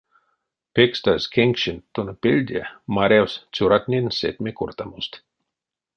Пекстазь кенкшенть тона пельде марявсь цёратнень сэтьме кортамост.